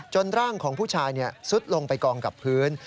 ร่างของผู้ชายซุดลงไปกองกับพื้น